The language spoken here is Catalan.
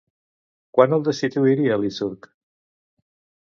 Quan el destituiria Licurg?